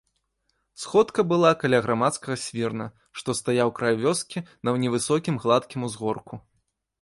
Сходка была каля грамадскага свірна, што стаяў край вёскі на невысокім гладкім узгорку.